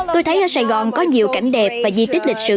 tôi thấy ở sài gòn có nhiều cảnh đẹp và di tích lịch sử